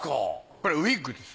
これウイッグです。